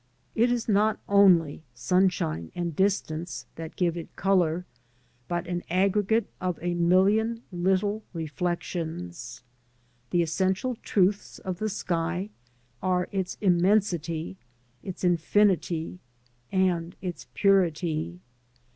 It is not only sunshine and distance that give \ it colour, but an aggregate of a million little reflections.* The essential truths of the sky are its immensity, its infinity, and its purity.